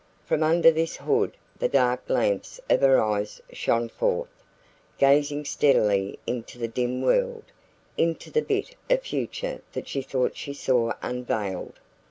From under this hood the dark lamps of her eyes shone forth, gazing steadily into the dim world into the bit of future that she thought she saw unveiled.